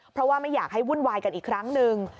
เพราะว่าไม่อยากให้วุ่นวายกันอีกครั้งหนึ่ง